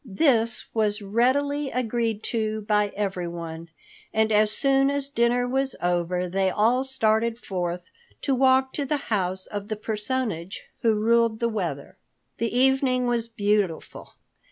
This was readily agreed to by everyone, and as soon as dinner was over they all started forth to walk to the house of the personage who ruled the weather. The evening was beautiful.